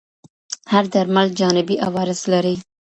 هر درمل جانبي عوارض لري.